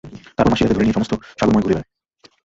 তারপর মাছটি তাকে ধরে নিয়ে সমস্ত সাগরময় ঘুরে বেড়ায়।